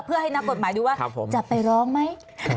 เพื่อให้นักกฎหมายดูว่าจะไปร้องไหม